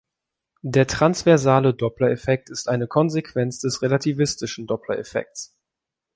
Der transversale Doppler-Effekt ist eine Konsequenz des relativistischen Doppler-Effekts.